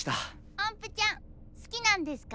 おんぷちゃん好きなんですか？